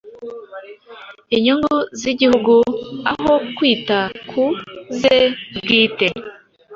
inyungu z’igihugu aho kwita ku ze bwite